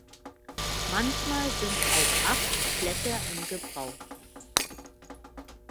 Manchmal sind auch acht Blätter im Gebrauch.